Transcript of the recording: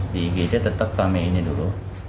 di igd tetap kami ini dulu